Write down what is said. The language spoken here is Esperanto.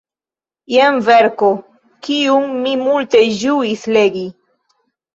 Jen verko, kiun mi multe ĝuis legi.